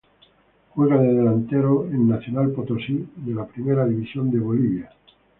Juega de delantero en Nacional Potosí de la Primera División de Bolivia.